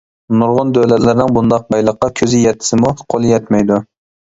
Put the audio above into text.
نۇرغۇن دۆلەتلەرنىڭ بۇنداق بايلىققا كۆزى يەتسىمۇ، قولى يەتمەيدۇ.